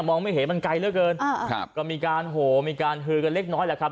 มองไม่เห็นมันไกลแล้วเกินก็มีการเหล็กน้อยแหละครับ